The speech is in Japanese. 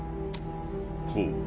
ほう。